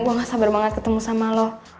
gue gak sabar banget ketemu sama lo